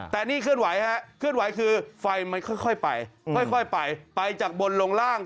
แต่นี่เคลื่อนไหวฮะเคลื่อนไหวคือไฟมันค่อยไปค่อยไปไปจากบนลงล่าง